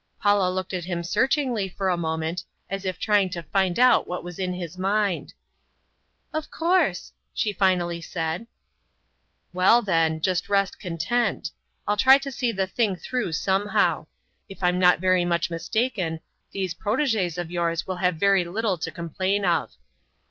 Paula looked at him searchingly for a moment, as if trying to find out what was in his mind. "Of course!" she finally said. "Well, then, just rest content. I'll try to see the thing through somehow. If I'm not very much mistaken, these protegés of yours will have very little to complain of."